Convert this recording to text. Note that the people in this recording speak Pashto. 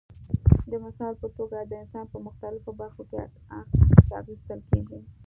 د مثال په توګه د انسان په مختلفو برخو کې عکس اخیستل کېږي.